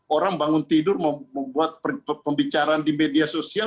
orang bangun tidur membuat pembicaraan di media sosial